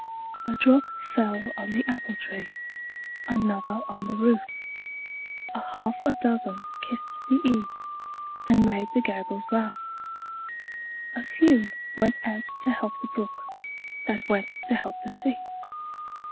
A drop fell on the apple tree, Another on the roof; A half a dozen kissed the eaves, And made the gables laugh. A few went out to help the brook, That went to help the sea.